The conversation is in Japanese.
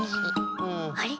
あれ？